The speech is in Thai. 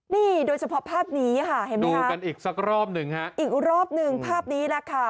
นี่โดยเฉพาะภาพนี้ค่ะเห็นไหมดูกันอีกสักรอบหนึ่งฮะอีกรอบหนึ่งภาพนี้แหละค่ะ